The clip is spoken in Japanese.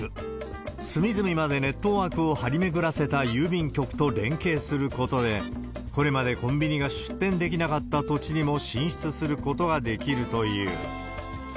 隅々までネットワークを張り巡らせた郵便局と連携することで、これまでコンビニが出店できなかった土地にも進出することができるという。